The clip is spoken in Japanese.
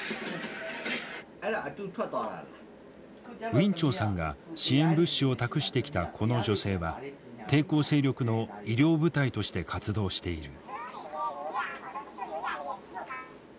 ウィン・チョウさんが支援物資を託してきたこの女性は抵抗勢力の医療部隊として活動している。